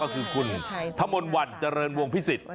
คุณถมันวันจริงวงภิษฎิกษ์